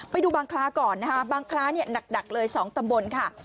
ไปดูบางคล้าก่อนนะคะบางคล้าเนี่ยหนักเลย๒ตำบลค่ะ